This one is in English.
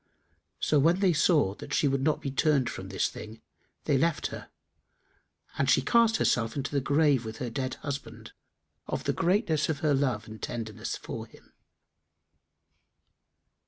So, when they saw she would not be turned from this thing, they left her, and she cast herself into the grave with her dead husband, of the greatness of her love and tenderness for him."